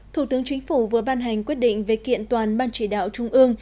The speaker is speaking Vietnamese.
thủ tướng chính phủ vừa ban hành quyết định về kiện toàn ban chỉ đạo trung ương